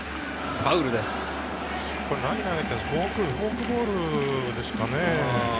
フォークボールですかね？